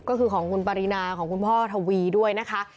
ก็คือของคุณปรินาของคุณพ่อทวีด้วยนะคะ